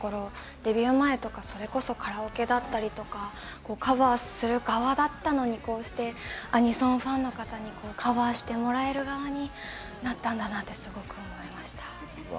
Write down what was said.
デビュー前とかそれこそカラオケだったりとかカバーする側だったのにこうしてアニソンファンの方にカバーしてもらえる側になったんだなってすごく思いました。